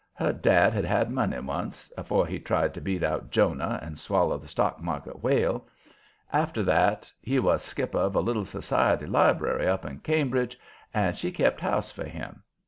Her dad had had money once, afore he tried to beat out Jonah and swallow the stock exchange whale. After that he was skipper of a little society library up to Cambridge, and she kept house for him.